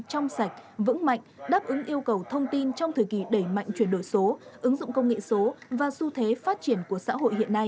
trong sạch vững mạnh đáp ứng yêu cầu thông tin trong thời kỳ đẩy mạnh chuyển đổi số ứng dụng công nghệ số và xu thế phát triển của xã hội hiện nay